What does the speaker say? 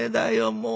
もう。